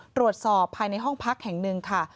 ตรวจสอบภายในห้องพักแห่งหนึ่งค่ะ